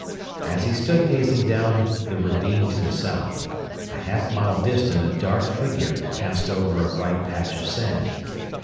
As he stood gazing down the ravine to the south, a half mile distant a dark figure passed over a bright patch of sand.